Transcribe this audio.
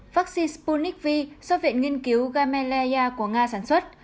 vaccine sputnik v do viện nghiên cứu gamaleya của nga sản xuất